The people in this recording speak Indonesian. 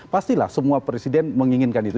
pastilah semua presiden menginginkan itu